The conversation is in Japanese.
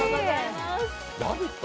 「ラヴィット！」